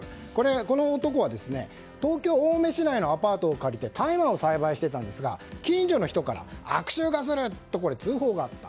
この男は東京・青梅市内のアパートを借りて大麻を栽培していたんですが近所の人から悪臭がすると通報があった。